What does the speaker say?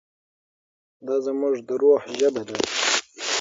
دا زموږ د روح ژبه ده.